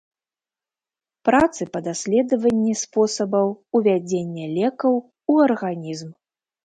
Працы па даследаванні спосабаў увядзення лекаў у арганізм.